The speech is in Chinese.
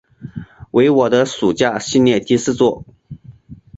为我的暑假系列第四作。